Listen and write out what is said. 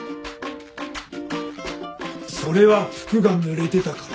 それは服がぬれてたから。